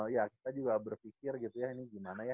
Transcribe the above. ya kita juga berpikir gitu ya ini gimana ya